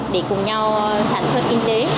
để cùng nhau sản xuất kinh tế